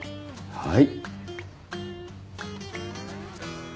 はい。